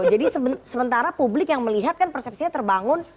jadi sementara publik yang melihat kan persepsinya terbangun